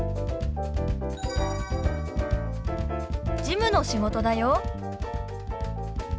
事務の仕事だよ。